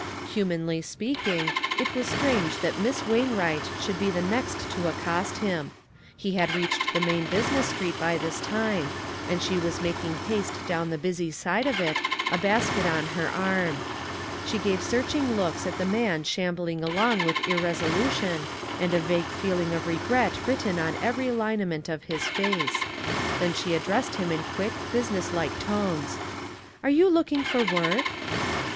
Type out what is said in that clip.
Humanly speaking, it was strange that Miss Wainwright should be the next to ac cost him. He had reached the main busi ness street by this time ; and she was making haste down the busy side of it, a basket on her arm. She gave searching looks at the man shambling along with ir resolution, and a vague feeling of regret written on every lineament of his face. Then she addressed him in quick, business like tones :" Are you looking for work